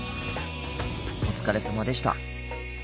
お疲れさまでした。